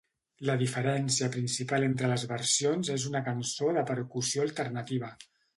La diferència principal entre les versions és una cançó de percussió alternativa.